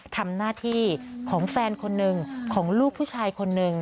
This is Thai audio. ทำหน้าที่ของแฟนคนหนึ่งของลูกผู้ชายคนหนึ่ง